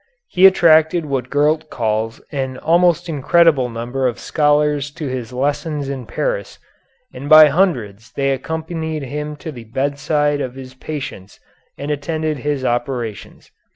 He attracted what Gurlt calls an almost incredible number of scholars to his lessons in Paris, and by hundreds they accompanied him to the bedside of his patients and attended his operations.